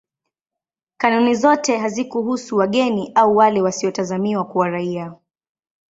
Kanuni zote hazikuhusu wageni au wale wasiotazamiwa kuwa raia.